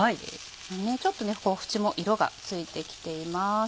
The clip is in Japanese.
ちょっと縁も色がついてきています。